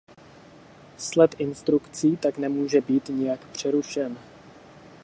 Sled instrukcí tak nemůže být nijak přerušen.